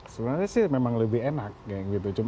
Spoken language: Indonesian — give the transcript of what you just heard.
sebenarnya sih memang lebih enak kayak gitu